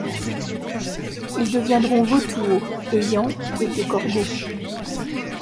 Ils deviendront vautours, ayant — été corbeaux.